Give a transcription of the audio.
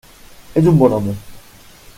És un bon home.